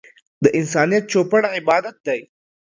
د انسانيت چوپړ عبادت دی.